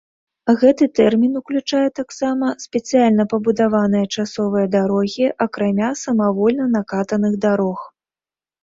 Гэты тэрмін уключае таксама спецыяльна пабудаваныя часовыя дарогі, акрамя самавольна накатаных дарог.